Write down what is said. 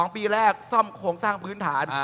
๒ปีแรกซ่อมโครงสร้างพื้นฐาน